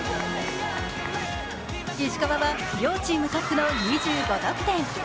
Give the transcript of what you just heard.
石川は両チームトップの２５得点。